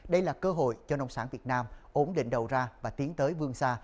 đây là cơ hội cho nông sản việt nam ổn định đầu ra và tiến tới vương xa